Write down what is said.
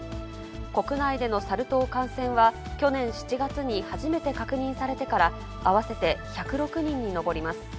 国内でのサル痘感染は去年７月に初めて確認されてから、合わせて１０６人に上ります。